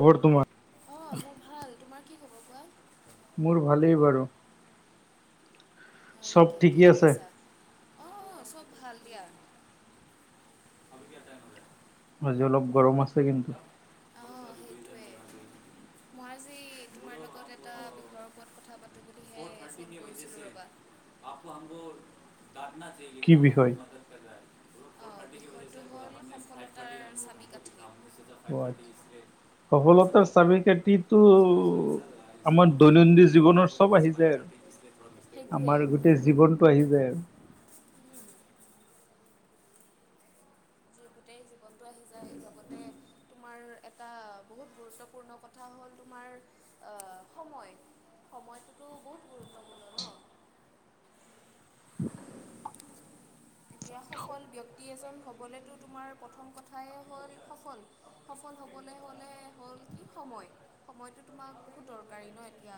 খবৰ তোমাৰ? অ' মোৰ ভাল তোমাৰ কি খবৰ কোৱা। মোৰ ভালেই বাৰু। হয় চব নেকি কি ঠিকেই আছে। কৰিছা। অ, অ' চব ভাল দিয়া। আজি অলপ গৰম আছে কিন্তু। অ' সেইটোৱে। মই আজি তোমাৰ লগত এটা বিষয়ৰ ওপৰত কথা পাতো বুলিহে আহিছিলো ৰবা। [inaudible] কি বিষয়? [inaudible] [inaudible] [inaudible] অ' আচ্ছা। সফলতাৰ চাবি কাঠিটো আমাৰ দৈনন্দিন জীৱনৰ চব আহি যায় আৰু। সেইটোৱে। আমাৰ গোটেই জীৱনটো আহি যায় আৰু। উম, গোটেই জীৱনটো আহি যায় লগতে, তোমাৰ এটা বহুত গুৰুত্বপূৰ্ণ কথা। কথা হ'ল তোমাৰ সময় সময়টোতো বহুত গুৰুত্বপূৰ্ণ ন। এতিয়া সফল ব্যক্তি এজন হ'বলৈতো তোমাৰ প্ৰথম কথাই হ'ল সফল। সফল হ'বলৈ হ'লে হ'ল কি সময়। সময়টো তোমাক বহুত দৰকাৰী ন এতিয়া।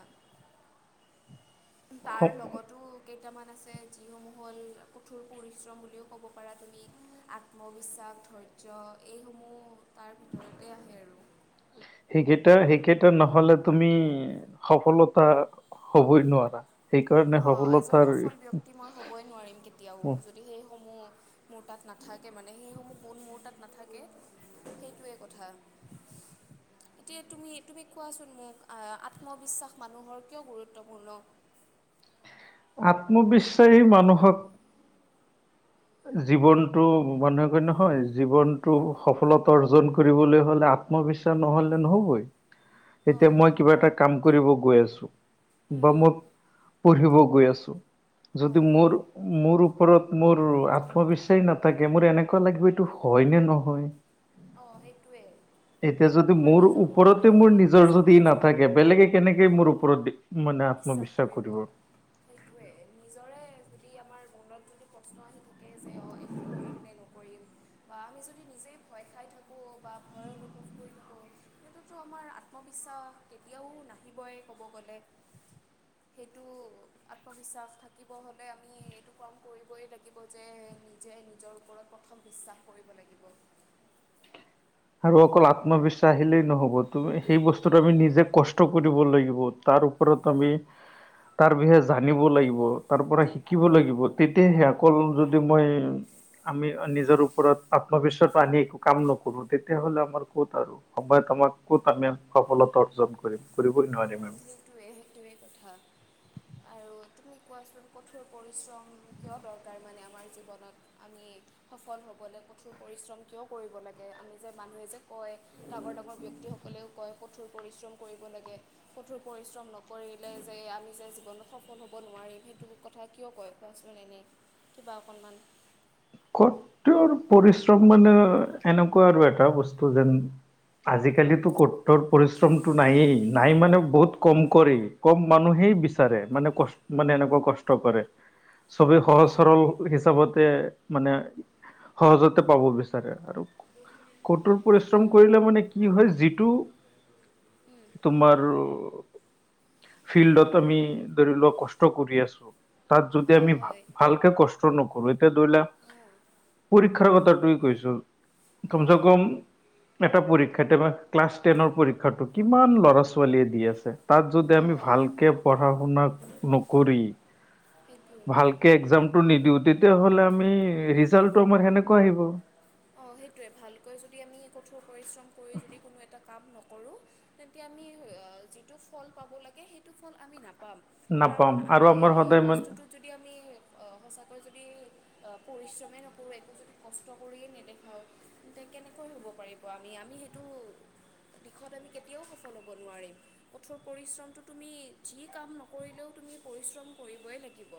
তাৰ স- লগতো কেইটামান আছে যিসমূহ হ'ল কঠোৰ। পৰিশ্ৰম বুলিও ক'ব পৰা তুমি আত্মবিশ্বাস, ধৈৰ্য এইসমূহ। তাৰ ভিতৰতে আহে আৰু। সেইকেইটা, সেইকেইটা নহ'লে তুমি সফলতা হবই নোৱাৰা। সেইকাৰণে অ', এজন সফলতাৰ সফল ব্যক্তি মই হ'বই নোৱাৰিম, কেতিয়াও যদি সেইসমূহ মোৰ তাত নাথাকে মানে, সেইসমূহ গুন মোৰ তাত নাথাকে সেইটোৱে কথা। [inaudible] এতিয়া তুমি, তুমি কোৱাচোন মোক, আত্মবিশ্বাস মানুহৰ কিয় গুৰুত্বপূৰ্ণ? আত্মবিশ্বাসী মানুহক জীৱনটো মানুহে কয় নহয়, জীৱনটো সফলতা অৰ্জন কৰিবলৈ হ'লে আত- ম বিশ্বাস নহ'লে নহ'বই। [inaudible] এতিয়া মই কিবা এটা কাম কৰিব গৈ আছো, বা উম, মই পঢ়িব গৈ আছোঁ যদি হয় মোৰ, মোৰ ওপৰত মোৰ উম, আত্মবিশ্বাস নাথাকে, মোৰ এনেকুৱা লাগিব এইটো হয় নে নহয়। অ', সেইটোৱে। এতিয়া যদি আমাৰ মোৰ নিজৰ ওপৰতে মনতে মোৰ নিজৰ প্ৰশ্ন যদি আহি যাব, নাথাকে বেলেগে কেনেকে অ'। মোৰ ওপৰত মানে বিশ্বাস আত্মবিশ্বাস কৰিব, সেইটোৱে। নিজৰে যদি আমাৰ মনত যদি প্ৰশ্ন আহি থাকে যে, অ' এইটো কৰিম নে নকৰিম? বা আমি যদি নিজেই ভয় খাই থাকোঁ বা ভয় অনুভৱ কৰি থাকোঁ। সেইটোতো আমাৰ আত্মবিশ্বাস, কেতিয়াও নাহিবই ক'ব গ'লে। সেইটো আত্মবিশ্বাস থাকিব হ'লে আমি, এইটো কাম কৰিবই লাগি যে, নিজে নিজৰ, ওপৰত প্ৰথম বিশ্বাস কৰিব লাগিব। আৰু অকল আত্মবিশ্বাস আহিলেই নহ'ব, তুমি সেই বস্তুটো আমি নিজে কষ্ট কৰিব লাগিব। তাৰ ওপৰত আমি। তাৰ বিষয়ে জানিব লাগিব, তাৰ পৰা শিকিব লাগিব, তেতিয়াহে, অকল যদি মই আমি নিজৰ ওপৰত আত্মবিশ্বাসটো আনি একো কাম নকৰোঁ, তেতিয়া হ'লে আমাৰ ক'ত আৰু। সময়ত আমাক ক'ত, আমি সফলতা অৰ্জন কৰিম, কৰিবই নোৱাৰিম আমি। সেইটোৱে, সেইটোৱে। তথা আৰু তুমি কোৱাচোন, কঠোৰ পৰিশ্ৰম কিয় দৰকাৰ মানে আমাৰ জীৱনত। আমি সফল হ'বলৈ কঠোৰ পৰিশ্ৰম কিয় কৰিব লাগে, আমি যে মানুহে যে কয় ডাঙৰ, ডাঙৰ ব্যক্তিসকলেও কয়, কঠোৰ পৰিশ্ৰম কৰিব লাগে, কঠোৰ পৰিশ্ৰম নকৰি যে আমি যে জীৱনত সফল হ'ব নোৱাৰিম, সেইটো কথা কিয় কয়, কোৱাচোন এনেই। কিবা অকণমান। কঠোৰ পৰিশ্ৰম মানে এনেকুৱা আৰু এটা বস্তু যেন আজিকালিটো কঠোৰ পৰিশ্ৰমটো নাইয়েই, নাই মানে বহুত কম কৰে। কম মানুহেই বিচাৰে, মানে ক' মানে এনেকুৱা কষ্ট কৰে। চবে সহজ সৰল, হিচাপতে মানে, সহজতে পাব বিচাৰে আৰু। কঠোৰ পৰিশ্ৰম উম, কৰিলে মানে কি হয়, যিটো উম। তোমাৰ। [unintelligible] ফিল্ডত আমি ধৰি লোৱা কষ্ট কৰি আছোঁ। তাত যদি অঁ আমি হয় ভালকে কষ্ট নকৰোঁ, এতিয়া ধৰি লোৱা। অঁ পৰীক্ষাৰ কথাটোৱে কৈছো, কমচে অঁ কম এটা পৰীক্ষাতে বা ক্লাছ টেনৰ পৰীক্ষাটো, কিমান ল'ৰা ছোৱালীয়ে দি আছে। তাত যদি আমি অঁ ভালকে পঢ়া শুনা নকৰি সেইটো ভালকে এক্সামটো নিদিও, তেতিয়া হ'লে আমি ৰিজাল্টটো আমাৰ সেনেকুৱা আহিব। অ' সেইটোৱে, ভালকৈ যদি আমি কঠোৰ পৰিশ্ৰম কৰি, যদি কোনো এটা কাম নকৰোঁ। তেন্তে আমি যিটো ফল পাব লাগে সেইটো ফল আমি নাপাম। নাপাম কাৰণ আৰু আমি আমাৰ সেই সদায় মান বস্তুটোত যদি আমি সঁচাকৈ যদি পৰিশ্ৰমেই নকৰোঁ একো যদি কষ্ট কৰিয়ে নেদেখ [unintelligible] কেনেকৈ হ'ব পাৰিব আমি, আমি সেইটো দিশত আমি কেতিয়াও সফল হ'ব নোৱাৰিম। কঠোৰ পৰিশ্ৰমটো তুমি যি কাম নকৰিলেও তুমি পৰিশ্ৰম কৰিবই লাগিব।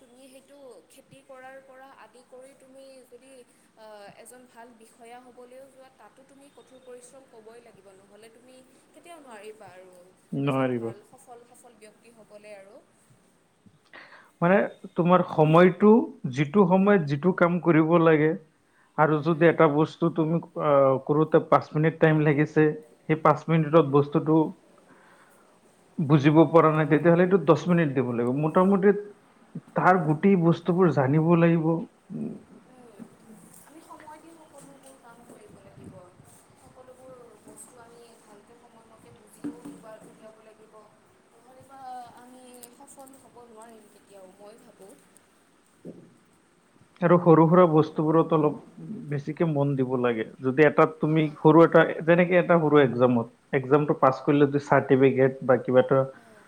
তুমি সেইটো খেতি কৰাৰ পৰা আদি কৰি তুমি যদি আ এজন ভাল বিষয়া হ'বলৈও যোৱা তাতো তুমি কঠোৰ পৰিশ্ৰম ক'বই লাগিব নহ'লে তুমি কেতিয়াও নোৱাৰিবা আৰু এজন নোৱাৰিব ভাল সফল, সফল ব্যক্তি হ'বলৈ আৰু। মানে তোমাৰ সময়টো যিটো সময়ত যিটো কাম কৰিব লাগে। আৰু যদি এটা বস্তু তুমি কৰোতে পাঁচ মিনিট টাইম লাগিছে সেই পাঁচ মিনিটত বস্তুতটো বুজিব পৰা তেতিয়াহ'লে এইটোত মিনিট দিব লাগিব মোৰ মোটামুটি তাৰ গোটেই বস্তুবোৰ জানিব লাগিব। উম, আমি সময় দি সকলোবোৰ কাম কৰিব লাগিব। সকলোবোৰ বস্তু আমি ভালকৈ সময়মকে বুজিবও উলিয়াব লাগিব। নহলেবা আমি সফল হ'ব নোৱাৰিম কেতিয়াও মই ভাবোঁ। [inaudible] আৰু সৰু সুৰা বস্তুবোৰত অলপ বেছিকে মন দিব লাগে যদি এটাত তুমি অঁ সৰু এটা যেনেকে এটা সৰু একজামত একজামটো পাছ কৰিলে যে চাৰ্টিফিকেট বা কিবা এটা অঁ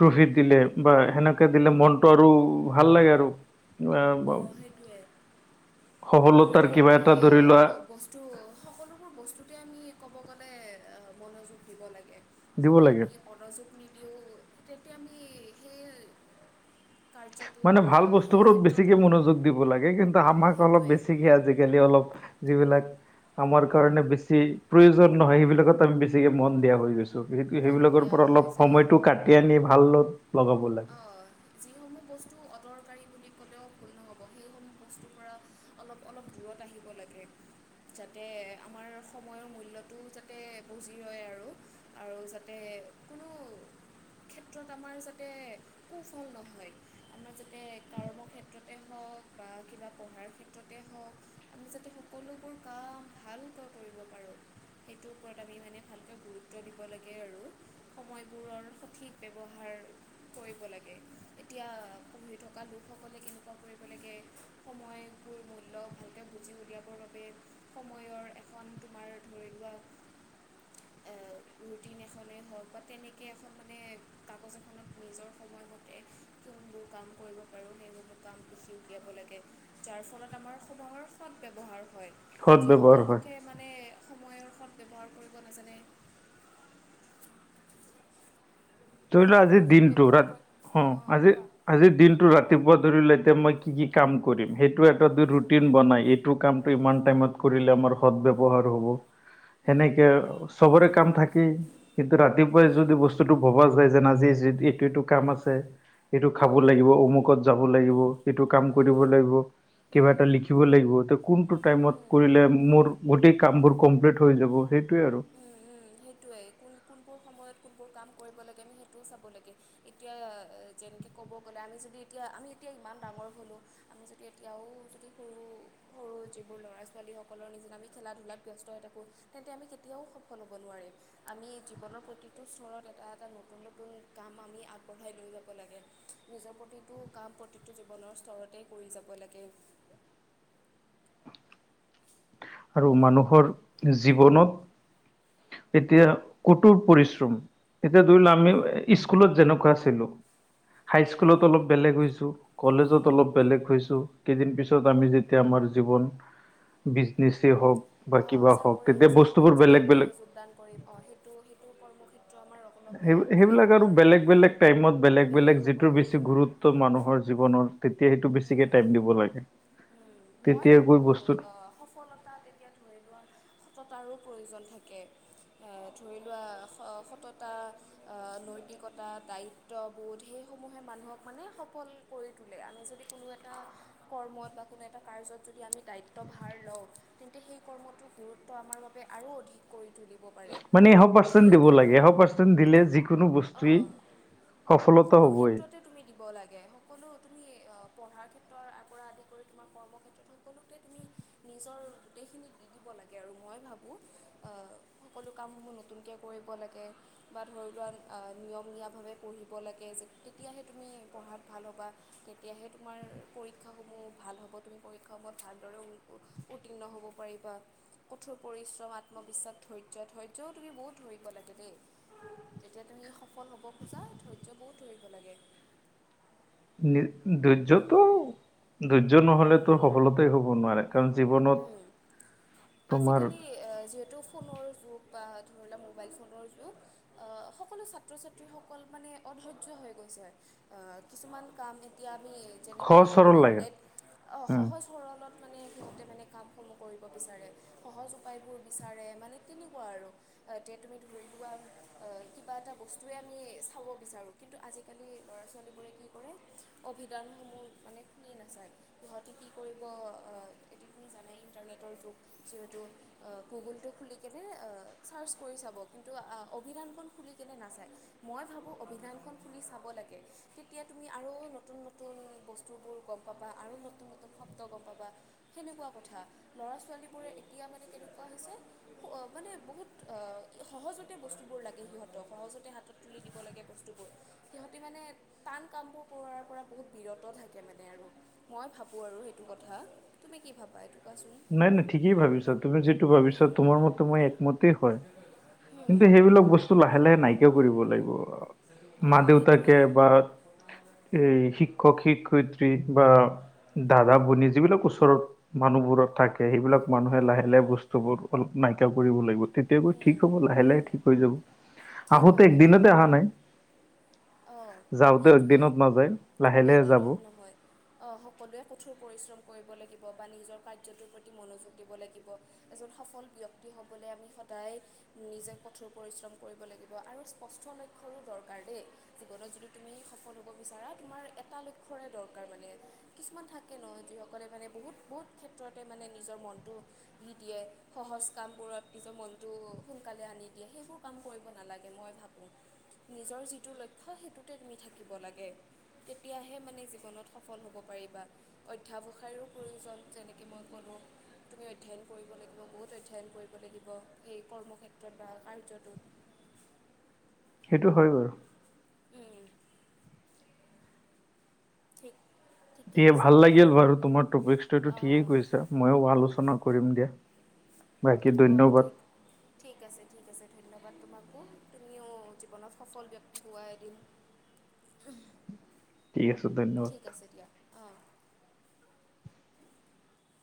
ট্ৰফিত দিলে বা সেনেকে দিলে মনটো আৰু ভাল লাগে আৰু। আহ, ব- অ' সেইটোৱে। সফলতাৰ যদি কিবা আমি এটা আ ধৰি লোৱা বস্তু সকলোবোৰ বস্তুতে আমি ক'ব গ'লে মনোযোগ দিব লাগে। দিব যদি লাগে আমি মনোযোগ তেন্তে আমি সেই কাৰ্যটোত মানে বা ভাল সেই বস্তুবোৰত বেছিকে ক্ষেত্ৰটোত মনোযোগ দিব লাগে কিন্তু অঁ আমাক অলপ সেইটোৱে বেছিকে আজিকালি অলপ যিবিলাক আমাৰ কাৰণে বেছি প্ৰয়োজন নহয় সেইবিলাকত আমি বেছিকে মন দিয়া হৈ গৈছো। সেইটো মন সেইবিলাকৰ দিয়া পৰা হৈ অলপ যায় সময়তটো কাটি আনি ভালত লগাব লাগে। যিসমূহ বস্তু অদৰকাৰী বুলি ক'লেও ভুল নহ'ব সেইসমূহ বস্তুৰ পৰা অলপ অলপ দূৰত আহিব লাগে। যাতে আমাৰ সময়ৰ মূল্যটোও যাতে বজি ৰয় আৰু। আৰু যাতে কোনো ক্ষেত্ৰত আমাৰ যাতে সুফল নহয়, আমাৰ যাতে কৰ্মক্ষেত্ৰতে হওক বা কিবা পঢ়াৰ ক্ষেত্ৰত ততে হওক আমি যাতে সকলোবোৰ কাম ভালকৈ কৰিব পাৰোঁ সেইটোৰ ওপৰত আমি মানে ভালকৈ গুৰুত্ব গুৰুত্ব দিব লাগে আৰু সময়বোৰৰ সঠিক ব্যৱহাৰ। কৰিব লাগে এতিয়া পঢ়ি থকা লোকসকলে কেনেকুৱা কৰিব লাগে সময়বোৰ মূল্য ভালকে বুজি উলিয়াবৰ বাবে সময়ৰ এখন তোমাৰ ধৰি লোৱা ৰুটিন এখনেই হওক বা তেনেকৈ এখন মানে কাগজ এখনত নিজৰ সময়মতে কোনবোৰ কাম কৰিব পাৰোঁ সেইসমূহ কাম লিখি উলিয়াব লাগে। যাৰ ফলত আমাৰ সময়ৰ সৎ ব্যৱহাৰ হয়। সদ ব্যৱহাৰ যিসকল হয় লোকে মানে সময়ৰ সৎ ব্যৱহাৰ কৰিব নাজানে ধৰি লোৱা আজিৰ সময়ৰ সৎ দিনটো ব্যৱহাৰ ৰাত কৰি অঁ অ' অঁ আজি কোৱা আজিৰ দিনটো ৰাত ৰাতিপুৱা ধৰি লোৱা এতিয়া মই কি কি কাম কৰিম সেইটো এটা দু ৰুটিন বনাই এইটো কামটো ইমান টাইমত কৰিলে আমাৰ সদ ব্যৱহাৰ হ'ব। উম সেনেকে চবৰে কাম থাকেই কিন্তু ৰাতিপুৱাই উম যদি বস্তুটো এইটো এইটো কাম আছে, এইটো উম খাব উম লাগিব, অমুকত। যাব লাগিব, এইটো কাম কৰিব উম লাগিব। উম কিবা এটা উম লিখিব লাগিব, ত' কোনটো টাইমত উম কৰিলে মোৰ গোটেই কামবোৰ কমপ্লিট হৈ যাব? সেইটোৱে আৰু। উম উম সেইটোৱে, কোন কোনবোৰ সময়ত কোনবোৰ কাম কৰিব লাগে, আমি সেইটোও চাব লাগে। এতিয়া যেনেকে ক'ব গ'লে, আমি যদি এতিয়া আমি এতিয়া ইমান ডাঙৰ হ'লোঁ। আমি যদি এতিয়াও যদি সৰু, সৰু যিবোৰ ল'ৰা-ছোৱালীসকলৰ নিচিনা আমি খেলা ধূলাত ব্যস্ত হৈ থাকোঁ। তেন্তে আমি কেতিয়াও সফল হ'ব নোৱাৰিম। আমি জীৱনৰ প্ৰতিটো স্তৰত এটা এটা নতুন নতুন কাম আমি আগবঢ়াই লৈ যাব লাগে। নিজৰ প্ৰতিটো কাম প্ৰতিটো জীৱনৰ স্তৰতেই কৰি যাব লাগে। আৰু মানুহৰ জীৱনত এতিয়া কঠোৰ পৰিশ্ৰম এতিয়া ধৰি লোৱা, আমি স্কুলত যেনেকুৱা আছিলোঁ, হাইস্কুলত অলপ বেলেগ হৈছোঁ। কলেজত অলপ বেলেগ হৈছোঁ, কেইদিন পিছত আমি যেতিয়া আমাৰ জীৱন [unintelligible] হওঁক বা অঁ কিবা হওঁক চাকৰিত তেতিয়া বস্তুবোৰ চাকৰিত যেতিয়া বেলেগ আমি বেলেগ যোগদান কৰিম অ সেইটো সেইটো কৰ্মক্ষেত্ৰ আমাৰ অকণমান সেই বেয়া বেলেগ সেইবিলাক হ'ব আৰু বেলেগ বেলেগ টাইমত বেলেগ বেলেগ হ'ব যিটোৰ বেছি উম, গুৰুত্ব মানুহৰ জীৱনত তেতিয়া সেইটো বেছিকে উম। টাইম দিব লাগে। মই তেতিয়া গৈ ভাবোঁ বস্তুত সফলতা, এতিয়া ধৰি লোৱা সততাৰো প্ৰয়োজন থাকে। ধৰি লোৱা স সততা, নৈতিকতা, দায়িত্ব ত বোধ সেইসমূহে মানুহক মানে সফল কৰি তোলে। আমি যদি কোনো এটা কৰ্মত বা কোনে এটা কাৰ্যত যদি আমি দায়িত্ব ভাৰ লওঁ, তেন্তে সেই কৰ্মটোৰ গুৰুত্ব আমাৰ বাবে আৰু অধিক। কৰি তুলিব পাৰে। মানে এশ পাৰ্চেণ্ট দিব সেইটো লাগে, এশ পাৰ্চেণ্ট দিলে যি কোনো বস্তুৱেই অঁ সফলতা সকলো হ'বই। ক্ষেত্ৰতে তুমি দিব লাগে, সকলো তুমি পঢ়াৰ ক্ষেত্ৰৰ পৰা আদি কৰি তোমাৰ কৰ্মক্ষেত্ৰ সকলোতে তুমি নিজৰ গোটেইখিনি দি দিব লাগে আৰু মই ভাবোঁ। সকলো কামসমূহ নতুনকৈ কৰিব লাগে বা ধৰি লোৱা নিয়মীয়াভাৱে পঢ়িব লাগে, তেতিয়াহে তুমি পঢ়াত ভাল হ'বা। তেতিয়াহে তোমাৰ পৰীক্ষাসমূহ ভাল হ'ব, তুমি পৰীক্ষাসমূহত ভালদৰে উত্তীৰ্ণ হ'ব পাৰিবা। কঠোৰ পৰিশ্ৰম, আত্মবিশ্বাস, ধৈৰ্য, ধৈৰ্যও তুমি বহুত ধৰিব লাগে দেই। যেতিয়া তুমি সফল হ'ব খোজা, ধৈৰ্য বহুত ধৰিব লাগে। [unintelligible] ধৈৰ্য্যটো ধৈৰ্য নহলেতো সফলতাই হ'ব নোৱাৰে কাৰণ লাগে জীৱনত তোমাৰ আজিকালি যিহেতু ফোনৰ যুগ বা ধৰি লোৱা মোবাইল ফোনৰ যুগ আহ, সকলো ছাত্ৰ ছাত্ৰীসকল মানে অধৈয্য হৈ গৈছে। কিছুমান কাম এতিয়া আমি যেনেকে সহজ সৰল আমি লাগে উম সহজ সৰলত মানে সিহঁতে মানে কামসমূহ কৰিব বিচাৰে। সহজ উপায়বোৰ বিচাৰে মানে তেনেকুৱা আৰু তে তুমি ধৰি লোৱা কিবা এটা বস্তুৱে আমি চাব বিচাৰোঁ। কিন্তু আজিকালি ল'ৰা ছোৱালীবোৰে কি কৰে, অভিধানসমূহ মানে খুলি নাচায়। সিহঁতি কি কৰিব এইখিনি জানে ইণ্টাৰনেটৰ যুগ যিহেতু। গুগুলটো খুলি কেনে চাৰ্চ কৰি চাব কিন্তু অভিধানখন খুলি কেনে নাচায়। মই ভাবোঁ অভিধানখন খুলি চাব লাগে। তেতিয়া তুমি আৰু নতুন নতুন বস্তুবোৰ গম পাবা আৰু নতুন নতুন শব্দ গম পাবা। সেনেকুৱা কথা। ল'ৰা-ছোৱালীবোৰে এতিয়া মানে কেনেকুৱা হৈছে মানে বহুত সহজতে বস্তুবোৰ লাগে সিহঁতক সহজতে হাতত তুলি দিব লাগে বস্তুবোৰ। সিহঁতি মানে টান কামবোৰ কৰাৰ পৰা, বহুত বিৰত থাকে মানে আৰু মই ভাবো? ভাবোঁ আৰু সেইটো কথা তুমি কি ভাবা এইটো কোৱাচোন। নাই নাই ঠিকেই ভাবিছা তুমি যিটো ভাবিছা মতে মই একমতেই হয়। হুম, কিন্তু সেইবিলাক বস্তু লাহে-লাহে নাইকিয়া কৰিব লাগিব আৰু। অঁ সেইটোৱে মা-দেউতাকে বা এই শিক্ষক-শিক্ষয়িত্ৰী বা দাদা-ভনী যিবিলাক ওচৰত মানুহবোৰত থাকে। সেইবিলাক মানুহে লাহে-লাহে বস্তুবোৰ অলপ নাইকিয়া কৰিব লাগিব। তেতিয় গৈ ঠিক উম, হ'ব, লাহে-লাহে উম, ঠিক হৈ যাব। ঠিক আহোতে হ'ব ঠিক একদিনতে হ'ব অহা নাই। অঁ যাওঁতে সেইটোৱে একদিনত নাযায়, লাহে-লাহে যাব। অ', সকলোৱে কঠোৰ পৰিশ্ৰম কৰিব লাগিব, বা নিজৰ কাৰ্যটোৰ প্ৰতি মনোযোগ দিব লাগিব। এজন সফল ব্যক্তি হ'বলৈ আমি সদায় নিজে কঠোৰ পৰিশ্ৰম কৰিব লাগিব আৰু স্পষ্ট লক্ষ্যৰো দৰকাৰ দেই। জীৱনত যদি তুমি, সফল হ'ব বিচাৰা তোমাৰ এটা লক্ষ্যৰে দৰকাৰ মানে। কিছুমান থাকে ন, যিসকলে মানে বহুত-বহুত ক্ষেত্ৰতে মানে নিজৰ মনটো দি দিয়ে। সহজ কামবোৰত নিজৰ মনটো সোনকালে আনি দিয়ে সেইবোৰ কাম কৰিব নালাগে মই ভাবোঁ। নিজৰ যিটো লক্ষ্য সেইটোতে তুমি থাকিব লাগে। তেতিয়াহে মানে জীৱনত সফল হ'ব পাৰিবা। অধ্যাৱসায়ৰো প্ৰয়োজন যেনেকে মই ক'লোঁ। তুমি অধ্যয়ন কৰিব লাগিব, বহুত অধ্যয়ন কৰিব লাগিব। সেই কৰ্মক্ষেত্ৰত বা কাৰ্যটোত সেইটো হয় বাৰু। উম। ঠিক ঠিকে দিয়া আছে ভাল লাগিল বাৰু তোমাৰ টপিকচটো এইটো ঠিকেই অঁ কৈছা, মইয়ো আলোচনা কৰিম দিয়া। বাকী অ', ধন্যবাদ ঠিক ঠিক আছে, ঠিক আছে, ধন্যবাদ তোমাকো। তুমিও জীৱনত সফল ব্যক্তি হোৱা এদিন। [inaudible] ধন্যবাদ ঠিক আছে দিয়া। অ'।